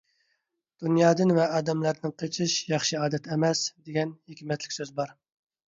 «دۇنيادىن ۋە ئادەملەردىن قېچىش ياخشى ئادەت ئەمەس» دېگەن ھېكمەتلىك سۆز بار.